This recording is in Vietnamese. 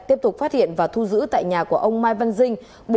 tiếp tục phát hiện và thu giữ tại nhà của ông mai văn dinh